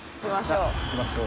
行きましょう。